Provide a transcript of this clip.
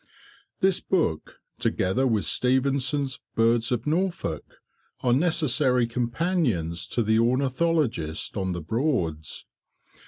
This book, together with Stevenson's "Birds of Norfolk," are necessary companions to the ornithologist on the Broads.